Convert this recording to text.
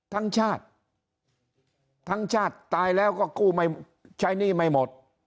ทั้งชาติทั้งชาติตายแล้วก็กู้ไม่ใช้หนี้ไม่หมด